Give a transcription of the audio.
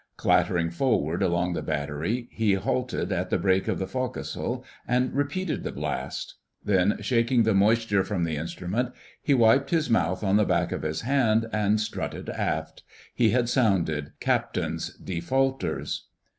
Clattering forward along the battery he halted at the break of the forecastle and repeated the blast; then, shaking the moisture from the instrument, he wiped his mouth on the back of his hand and strutted aft. He had sounded "Captain's Defaulters."